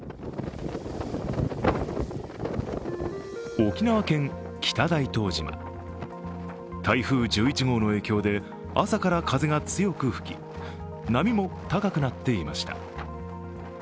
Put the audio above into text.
沖縄県北大東島、台風１１号の影響で朝から風が強く吹き、波も高くなっていました。